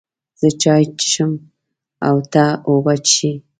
زه چای څښم او ته اوبه څښې